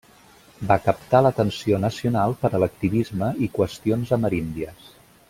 Va captar l'atenció nacional per a l'activisme i qüestions ameríndies.